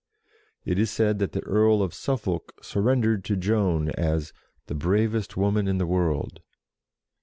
It is said that the Earl of Suffolk surrendered to Joan, as "the bravest woman in the world."